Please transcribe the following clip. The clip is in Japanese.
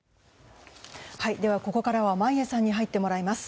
ここからは眞家さんに入ってもらいます。